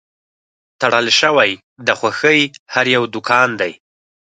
تړل شوی د خوښۍ هر یو دوکان دی